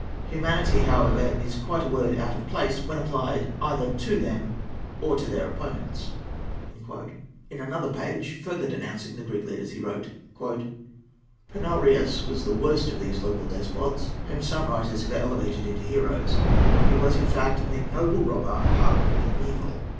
Humanity, however, is a word quite out of place when applied either to them or to their opponents." In another page, further denouncing the Greek leaders, he wrote: "Panourias was the worst of these local despots, whom some writers have elevated into heroes. He was, in fact, an ignoble robber, hardened in evil.